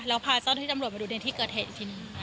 แล้วพาเจ้าที่ตำรวจมาดูในที่เกิดเหตุทีนี้